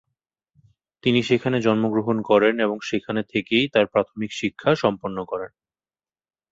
তিনি সেখানে জন্মগ্রহণ করেন এবং সেখানে থেকেই তার প্রাথমিক শিক্ষা সম্পন্ন করেন।